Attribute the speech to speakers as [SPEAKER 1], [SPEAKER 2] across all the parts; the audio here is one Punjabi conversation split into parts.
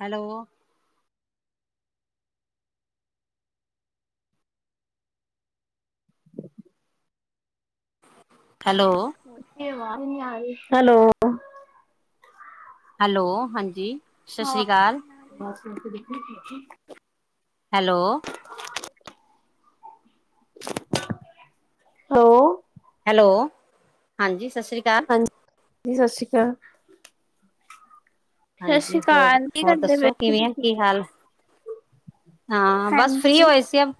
[SPEAKER 1] ਹੈਲੋ! ਹੈਲੋ!
[SPEAKER 2] ਹੈਲੋ!
[SPEAKER 1] ਹੈਲੋ ਹਾਂਜੀ! ਸਤਿ ਸ਼੍ਰੀ
[SPEAKER 2] ਹਾਂ
[SPEAKER 1] ਅਕਾਲ,
[SPEAKER 2] ਬ
[SPEAKER 1] ਹੈਲੋ!
[SPEAKER 2] ਹੋ
[SPEAKER 1] ਹੈਲੋ! ਹਾਂਜੀ ਸਸ ਸ੍ਰੀ ਕਾਲ!
[SPEAKER 2] ਜੀ ਸਸ ਸ਼੍ਰੀ ਕਾਲ।
[SPEAKER 1] ਹਾਂਜੀ! ਹੋਰ
[SPEAKER 2] ਕੀ
[SPEAKER 1] ਹੋਰ
[SPEAKER 2] ਕਰਦੇ ਪਏ?
[SPEAKER 1] ਦੱਸੋ ।ਕਿਵੇਂ ਆ? ਕੀ ਹਾਲ? ਹਾਂ, ਬਸ ਫ੍ਰੀ
[SPEAKER 2] ਹਾਂਜੀ,
[SPEAKER 1] ਹੋਏ ਸੀ ਹੁਨ।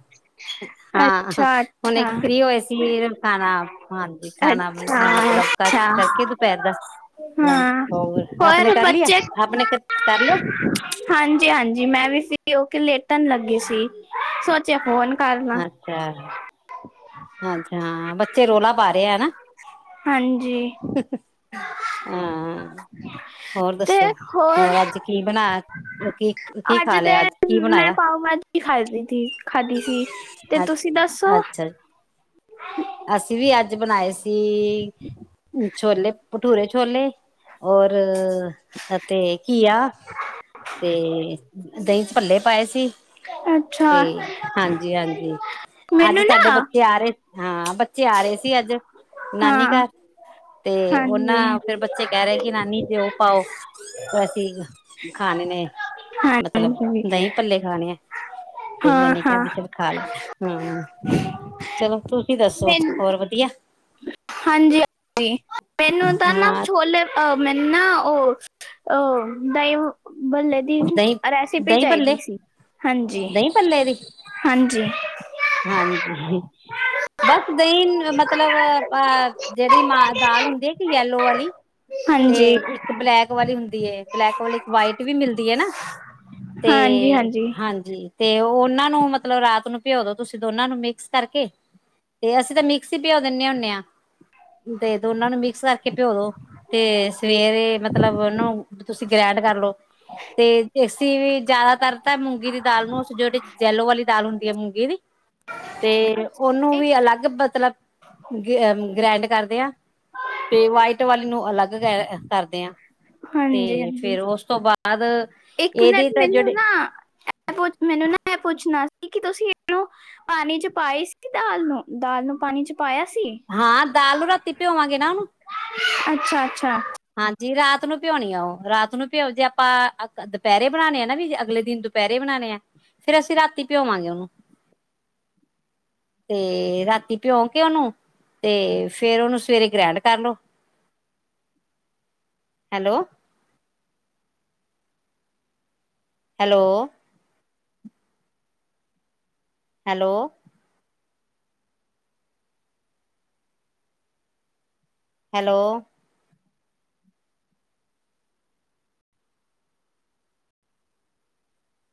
[SPEAKER 1] ਹਾਂ ਹੁਹ ਹੁਨੇ
[SPEAKER 2] ਅੱਛਾ-ਅੱਛਾ,
[SPEAKER 1] ਫਰੀ ਹੋਏ ਸੀਗੇ, ਖਾਨਾ ਹਾਂਜੀ ਖਾਨਾ ਬਨਨਾ ਮਤਲਬ [unintelligible]
[SPEAKER 2] ਅੱਛਾ-ਅੱਛਾ।
[SPEAKER 1] ਕਰਕੇ ਦੁਪਹਿਰ ਦਾ ਲੰਚ,
[SPEAKER 2] ਹਾਂ,
[SPEAKER 1] ਹੋਰ ਆਪਨੇ ਕਰ ਲਿਆ? ਆਪਨੇ ਕਰ ਲਿਆ
[SPEAKER 2] ਹਾਂਜੀ-ਹਾਂਜੀ, ਮੈਂ ਵੀ ਸੀ। ਕਿਓਂ ਕਿ ਲੇਟਨ ਲੱਗੀ ਸੀ, ਸੋਚਿਆ ਫੋਨ ਕਰ ਲਾਂ,
[SPEAKER 1] ਅੱਛਾ-ਅੱਛਾ, ਬੱਚੇ ਰੌਲਾ ਪਾ ਰਹੇ ਹੈਨਾ?
[SPEAKER 2] ਹਾਂਜੀ।
[SPEAKER 1] ਹੁ-ਹੁ ਹੋਰ। ਹੋਰ ਦੱਸੋ, ਹੋਰ ਅੱਜ ਕੀ ਬਨਾਇਆ? ਕੀ-ਕੀ ਖਾ ਲਿਆ ਅੱਜ? ਕੀ ਬਨਾਇਆ?
[SPEAKER 2] ਰੋਟੀ ਖਾਈ ਦੀ ਤੀ, ਖਾਦੀ ਸੀ। ਤੇ
[SPEAKER 1] ਅੱ
[SPEAKER 2] ਤੁਸੀ ਦੱਸੋ?
[SPEAKER 1] ਅੱਛਾ ਜੀ, ਅਸੀਂ ਵੀ ਅੱਜ ਬਨਾਏ ਸੀ, ਛੋਲੇ ਭਠੂਰੇ ਛੋਲੇ। ਹੋਰ ਅਤੇ ਘਿਆ। ਤੇ ਦਹੀਂ ਚ ਭੱਲੇ ਪਾਏ ਸੀ।
[SPEAKER 2] ਅੱਛਾ,
[SPEAKER 1] ਤੇ ਹਾਂਜੀ-ਹਾਂਜੀ ਅੱਜ
[SPEAKER 2] ਮੈਨੂੰ ਨਾ
[SPEAKER 1] ਸਾਡੇ ਬੱਚੇ ਆ ਰਹੇ। ਹਾਂ ਬੱਚੇ ਆ ਰਹੇ ਸੀ ਅੱਜ, ਨਾਨੀ
[SPEAKER 2] ਹਾਂ,
[SPEAKER 1] ਘਰ। ਤੇ
[SPEAKER 2] ਹਾਂਜੀ,
[SPEAKER 1] ਉਹਨਾਂ ਫਿਰ ਬੱਚੇ ਕਹਿ ਰਹੇ ਕਿ ਨਾਨੀ ਘਿਓ ਪਾਓ। ਵੈਸੇ ਈ ਖਾਨੇ ਨੇਂ, ਮਤਲਬ
[SPEAKER 2] ਹਾਂਜੀ,
[SPEAKER 1] ਦਹੀਂ ਪੱਲੇ ਖਾਨੇ ਐਂ। ਤੇ ਮੈਂਨੇ ਕਿਹਾ
[SPEAKER 2] ਹਾਂ-ਹਾਂ।
[SPEAKER 1] ਵੀ ਚਲ ਖਾ ਲੈਨ ਹੰ ਚਲੋ ਤੁਸੀ ਦ ਦੱਸੋ, ਹੋਰ ਵਧੀਆ?
[SPEAKER 2] ਹਾਂਜੀ-ਹਾਂਜੀ ਮੈਨੂੰ ਤਾਂ ਨਾਂ ਵ
[SPEAKER 1] ਹਾਂ
[SPEAKER 2] ਛੋਲੇ, ਅਹ ਮੈਨੂੰ ਨਾਂ ਓਹ-ਓਹ ਦਹੀ ਭੱਲੇ ਦੀ
[SPEAKER 1] ਦਹੀਂ
[SPEAKER 2] ਰੈਸਿਪੀ
[SPEAKER 1] ਦਹੀਂ ਭੱਲੇ
[SPEAKER 2] ਚਾਹੀਦੀ ਸੀ, ਹਾਂਜੀ।
[SPEAKER 1] ਦਹੀਂ ਭੱਲੇ ਦੀ
[SPEAKER 2] ਹਾਂਜੀ।
[SPEAKER 1] ਹਾਂਜੀ, ਬਸ ਦਹੀਂ ਮਤ ਤਲਬ, ਆਹ ਜਿਹੜੀ ਮਾਹ ਦਾਲ ਹੁੰਦੀਏ ਕਿ ਯੈਲੋ ਵਾਲੀ। ਤੇ
[SPEAKER 2] ਹਾਂਜੀ
[SPEAKER 1] ਇੱਕ ਬਲੈਕ ਵਾਲੀ ਹੁੰਦੀਏ, ਬਲੈਕ ਵਾਲੀ ਇੱਕ ਵਾਈਟ ਵੀ ਮਿਲਦੀ ਏ ਨਾ। ਤੇ
[SPEAKER 2] ਹਾਂਜੀ ਹਾਂਜੀ
[SPEAKER 1] ਹਾਂਜੀ, ਤੇ ਉਹਨਾਂ ਨੂੰ ਮਤਲਬ ਰਾਤ ਨੂੰ ਭਿਯੋ ਦੋ। ਤੁਸੀ ਦੋਨਾਂ ਨੂੰ ਮਿਕਸ ਕਰਕੇ, ਤੇ ਅਸੀ ਤਾ ਮਿਕਸ ਹੀ ਭਿਯੋ ਦੇਨੇਂ ਹੁੰਨੇਂ ਆਂ। ਤੇ ਦੋਨਾਂ ਨੂੰ ਮਿਕਸ ਕਰ। ਕੇ ਭਿਜੋ ਦੋ, ਤੇ ਸੁਵੇਰੇ ਮਤਲਬ ਉਹਨੂੰ ਬਈ ਤੁਸੀ ਗਰਾਇੰਡ ਕਰ ਲਓ। ਤੇ ਇਹ ਸੀ ਵਈ ਜਿਆਦਾਤਰ ਤਾ ਮੂੰਗੀ ਦੀ ਦਾਲ ਨੂੰ ਅਸੀ, ਜਿਹੜੀ ਜੈਲੋ ਵਾਲੀ ਦਾਲ ਹੁੰਦੀ ਹੈ ਮੂੰਗੀ ਦੀ। ਤੇ
[SPEAKER 2] ਅੱਛਾ,
[SPEAKER 1] ਉਹਨੂੰ
[SPEAKER 2] ਇੱਕ
[SPEAKER 1] ਵੀ ਅਲੱਗ ਮਤਲਬ, ਗ ਉਮ ਗ੍ਰਰਾਇੰਡ ਕਰਦੇ ਆਂ, ਤੇ ਵਾਈਟ ਵਾਲੀ ਨੂੰ ਅਲੱਗ ਕਰ ਇਹ ਕਰਦੇ ਹਾਂ।
[SPEAKER 2] ਹਾਂਜੀ
[SPEAKER 1] ਤੇ
[SPEAKER 2] ਹਾਂਜੀ
[SPEAKER 1] ਫੇਰ ਉਸ ਤੋਂ ਬਾਅਦ,
[SPEAKER 2] ਇੱਕ ਮਿੰਟ
[SPEAKER 1] ਇਹਦੇ ਤਾ
[SPEAKER 2] ਮੈਨੂੰ
[SPEAKER 1] ਜਿਹੜੇ
[SPEAKER 2] ਨਾ ਇਹ ਕੁਛ ਮੈਨੂੰ ਨਾ ਮੈਂ ਪੁੱਛਨਾ ਸੀ ਕਿ, ਤੁਸੀ ਇਹਨੂੰ ਪਾਨੀ ਚ ਪਾਈ ਸੀ ਕਿ ਦਾਲ ਨੂੰ, ਦਾਲ ਨੂੰ ਪਾਨੀ ਚ। ਪਾਇਆ ਸੀ,
[SPEAKER 1] ਹਾਂ ਦਾਲ ਨੂੰ ਰਾਤੀ ਭਿਓਵਾਂਗੇ ਨਾ ਉਹਨੂੰ
[SPEAKER 2] ਅੱਛਾ-ਅੱਛਾ।
[SPEAKER 1] ਹਾਂਜੀ ਰਾਤ ਨੂੰ ਭਿਜੋਨੀ ਆ ਉਹ, ਰਾਤ ਨੂੰ ਭਿਜੋ ਜੇ ਆਪਾ ਅ ਕ ਦੁਪਹਿਰੇ ਬਣਾਉਨੀ ਆ ਨਾ ਵੀ ਜੇ ਅਗਲੇ ਦਿਨ ਦੁ ਦੁਪਹਿਰੇ ਬਣਾਉਨੇ ਐਂ, ਫੇਰ ਅਸੀ ਰਾਤੀ ਭਿਜੋਵਾਂਗੇ ਉਹਨੂੰ। ਤੇ ਰਾਤੀ ਭਿਉਂ ਕੇ ਉਹਨੂੰ, ਤੇ ਫੇਰ ਉਹਨੂੰ ਸੁਵੇਰੇ ਗ੍ਰੈਂਇੰਡ ਕਰ ਲਓ। [inaudible] ਹੈਲੋ। ਹੈਲੋ। ਹੈਲੋ। ਹੈਲੋ।